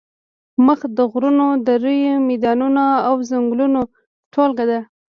مځکه د غرونو، دریو، میدانونو او ځنګلونو ټولګه ده.